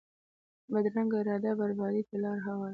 بدرنګه اراده بربادي ته لار هواروي